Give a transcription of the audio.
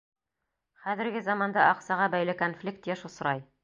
Хәҙерге заманда аҡсаға бәйле конфликт йыш осрай.